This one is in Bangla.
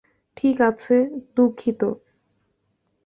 ঠিক আছে, দুঃখিত।